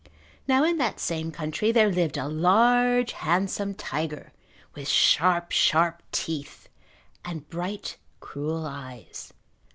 Now in that same country there lived a large handsome tiger, with sharp, sharp teeth and bright, cruel eyes.